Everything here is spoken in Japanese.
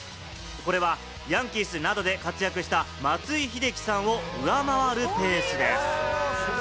これはヤンキースなどで活躍した松井秀喜さんを上回るペースです。